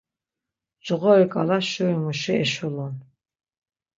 Coğoriǩala şurimuşi eşulun.